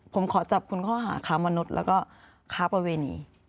ผมขอจับคุณข้อหาค้ามนุษย์แล้วก็ค้าประเวณี